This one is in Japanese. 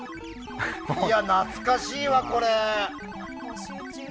懐かしいわ、これ！